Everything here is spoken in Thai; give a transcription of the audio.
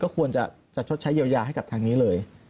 ควรจะชดใช้เยียวยาให้กับทางนี้เลย